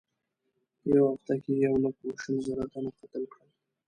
په یوه هفته کې یې یو لک شل زره تنه قتل کړل.